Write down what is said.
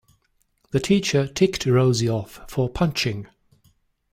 The teacher ticked Rosie off for punching.